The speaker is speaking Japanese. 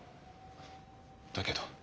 だけど。